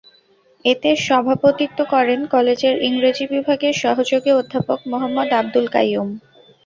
এতে সভাপতিত্ব করেন কলেজের ইংরেজি বিভাগের সহযোগী অধ্যাপক মোহাম্মদ আবদুল কাইয়ুম।